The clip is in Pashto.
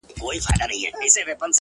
ورځم د خپل نړانده کوره ستا پوړونی راوړم،